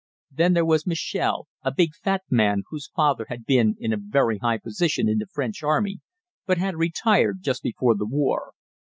Then there was Michel, a big fat man, whose father had been in a very high position in the French army but had retired just before the war.